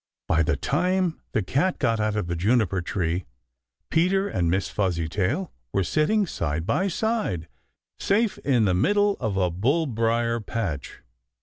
By the time the cat got out of the juniper tree, Peter and Miss Fuzzytail were sitting side by side safe in the middle of a bull briar patch.